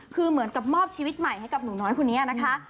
คือเหมือนกับมอบชีวิตใหม่ให้กับหนูน้อยคนนี้นะคะ